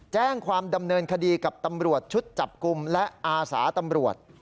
แจ้งความดำเนินคดีกับตำรวจชุดจับกลุ่มและอาสาตำรวจ